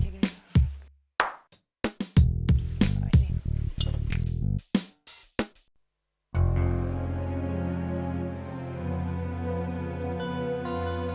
kalo gak ada yang warna birua